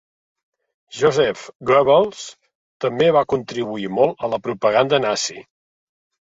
Joseph Goebbels també va contribuir molt a la propaganda nazi.